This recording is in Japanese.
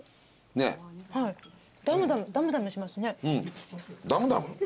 ダムダムしますね。